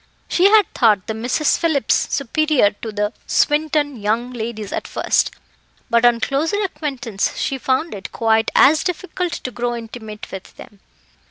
She had thought the Misses Phillips superior to the Swinton young ladies at first; but on closer acquaintance, she found it quite as difficult to grow intimate with them.